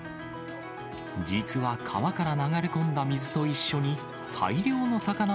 実は川から流れ込んだ水と一緒に、くすぐったい。